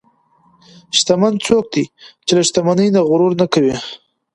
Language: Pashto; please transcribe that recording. شتمن څوک دی چې له شتمنۍ نه غرور نه کوي.